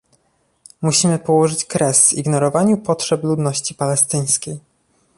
Musimy położyć kres ignorowaniu potrzeb ludności palestyńskiej